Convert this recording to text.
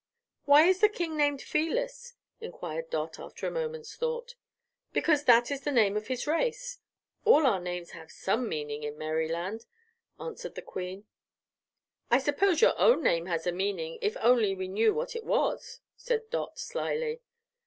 "Why is the King named Felis?" enquired Dot, after a moment's thought. "Because that is the name of his race. All our names have some meaning in Merryland," answered the Queen. "I suppose your own name has a meaning, if only we knew what it was," said Dot, slyly.